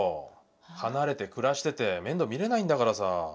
離れて暮らしてて面倒見れないんだからさ。